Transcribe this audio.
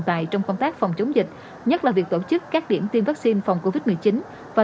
tài trong công tác phòng chống dịch nhất là việc tổ chức các điểm tiêm vaccine phòng covid một mươi chín và